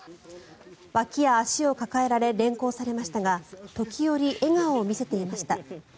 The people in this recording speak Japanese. わきや足を抱えられ連行されましたが時折、笑顔を見せていました。